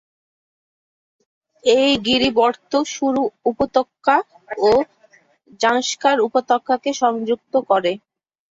এই গিরিবর্ত্ম সুরু উপত্যকা ও জাংস্কার উপত্যকাকে সংযুক্ত করে।